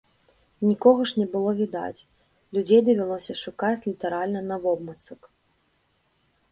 Нікога ж не было відаць, людзей давялося шукаць літаральна навобмацак.